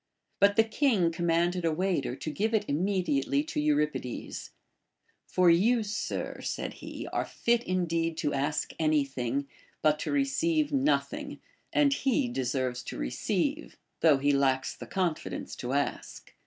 But the king com manded a waiter to give it immediately to Euripides : For you, sir, said he, are fit indeed to ask any thing, but to re ceive nothing ; and he deserves to receive, thougli he lacks the confidence to ask.